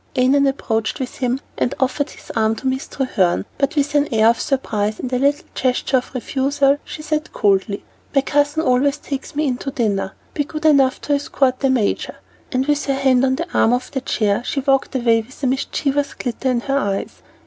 Annon approached with him and offered his arm to Miss Treherne, but with an air of surprise, and a little gesture of refusal, she said coldly: "My cousin always takes me in to dinner. Be good enough to escort the major." And with her hand on the arm of the chair, she walked away with a mischievous glitter in her eyes.